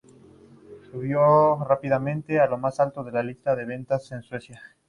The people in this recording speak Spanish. Subió rápidamente a lo más alto de la lista de ventas en Suecia.